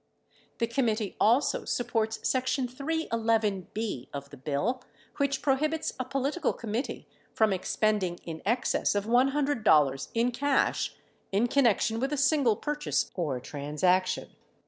The committee also supports section 311(b) of the bill which pro hibits a political committee from expending in excess of $100 in cash in connection with a single purchase or transaction.